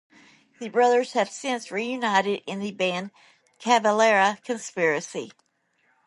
The brothers have since reunited in the band Cavalera Conspiracy.